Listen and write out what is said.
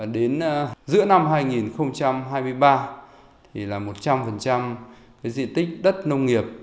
đến giữa năm hai nghìn hai mươi ba là một trăm linh diện tích đất nông nghiệp